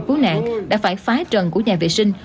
cứu nạn đã phải phá trần của nhà vệ sinh